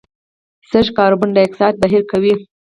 سږي کاربن ډای اکساید بهر کوي.